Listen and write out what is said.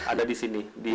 ada di sini